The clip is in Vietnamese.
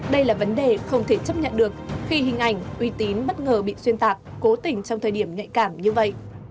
đây là vấn đề không thể chấp nhận được khi hình ảnh uy tín bất ngờ bị xuyên tạc cố tỉnh trong thời điểm nhạy cảm như vậy